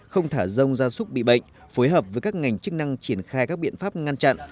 không thả rông gia súc bị bệnh phối hợp với các ngành chức năng triển khai các biện pháp ngăn chặn